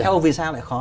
theo ông vì sao lại khó